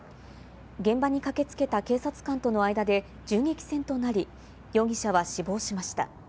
現場に駆けつけた警察官との間で銃撃戦となり、容疑者は死亡しました。